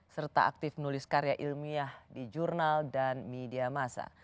serta aktif menulis karya ilmiah di jurnal dan media masa